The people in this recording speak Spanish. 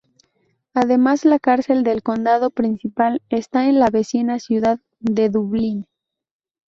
Además, la cárcel del condado principal está en la vecina ciudad de Dublín.